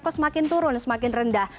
kok semakin turun semakin rendah